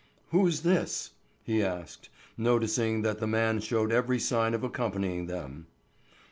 "Who's this?" he asked, noticing that this man showed every sign of accompanying them.